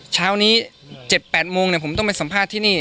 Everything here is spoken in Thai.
เช้านี้๗๘โมงผมต้องไปสัมภาษณ์ที่นี่